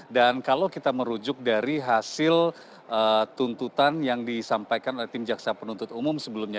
dan kalau kita merujuk dari hasil tuntutan yang disampaikan oleh tim jaksa penuntut umum sebelumnya